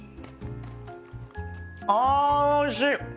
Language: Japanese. あおいしい！